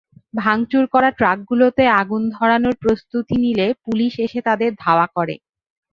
ভাঙচুর করা ট্রাকগুলোতে আগুন ধরানোর প্রস্তুতি নিলে পুলিশ এসে তাদের ধাওয়া করে।